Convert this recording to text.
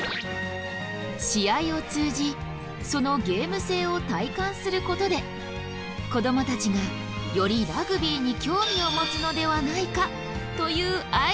試合を通じそのゲーム性を体感することで子どもたちがよりラグビーに興味を持つのではないかというアイデア。